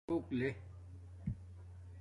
روک لے